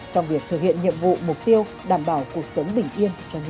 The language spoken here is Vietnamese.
trong việc thực hiện nhiệm vụ mục tiêu đảm bảo cuộc sống bình yên cho nhân dân